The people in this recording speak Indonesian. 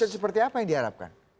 seperti apa yang diharapkan